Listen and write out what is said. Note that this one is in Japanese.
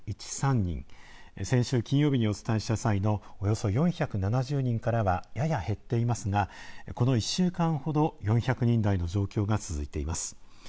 先週金曜日にお伝えした際のおよそ４７０人からはやや減っていますがこの１週間ほど４００人台の状況が続いています。